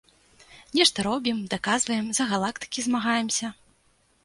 Нешта робім, даказваем, за галактыкі змагаемся.